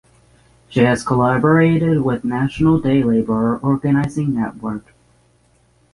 She has collaborated with National Day Laborer Organizing Network.